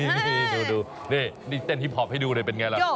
นี่ดูนี่เต้นฮิปพอปให้ดูเลยเป็นไงล่ะ